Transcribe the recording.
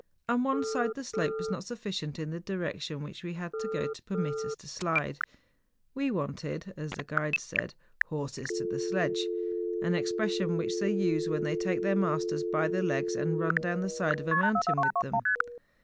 On one side the slope was not sufficient in the direction which we had to go to permit us to slide. 'We wanted,' as the guides said, 'horses to the sledge;' an expression which they use when they take their masters by the legs and run down the side of a mountain with them.